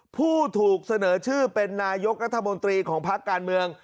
ผู้ถูกเสนอชื่อเป็นนายกรัฐมนตรีของพักการเมือง